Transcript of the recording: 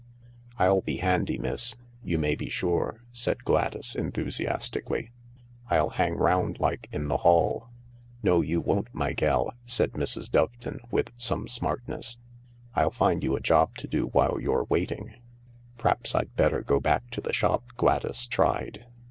" I'll be handy, miss, you may be sure," said Gladys enthusiastically. " I'll hang round like in the hall." " No, you won't, my gell," said Mrs. Doveton with some smartness. " I'll find you a job to do while you're waiting." " P'r'aps I'd better go back to the shop," Gladys tried.